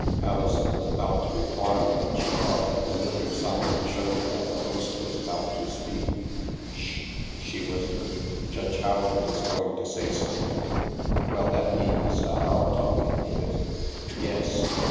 Alison was about to reply, but she caught a fa miliar sign that 'showed her that the host was about to speak. " Sh," she whispered, " Judge Rowland is going to say something." "Well, that needn't stop our talking, need it?" '^ Yes